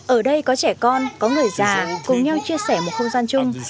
ở đây có trẻ con có người già cùng nhau chia sẻ một không gian chung